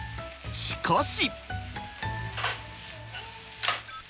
しかし。